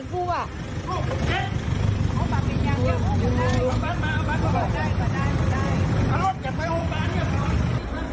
เอามาเป็นอย่างเยี่ยมเอามาเป็นอย่างเยี่ยม